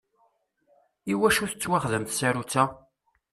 Iwacu i tettwaxdam tsarutt-a?